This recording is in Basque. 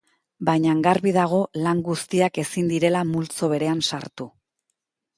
Baina garbi dago lan guztiak ezin direla multzo berean sartu.